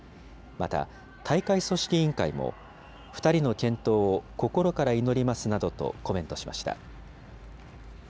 また大会組織委員会も、２人の健闘を心から祈りますなどとコメントしました。